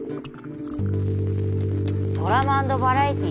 ドラマ＆バラエティ？